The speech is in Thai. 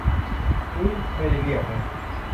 อุ๊ย ไม่ได้เรียกนะ